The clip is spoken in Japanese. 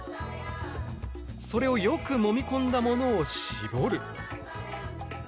それをよくもみ込んだものを絞る。